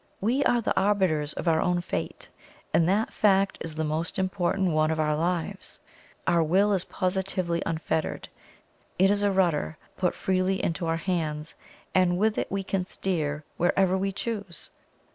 We are the arbiters of our own fate, and that fact is the most important one of our lives. Our WILL is positively unfettered; it is a rudder put freely into our hands, and with it we can steer WHEREVER WE CHOOSE.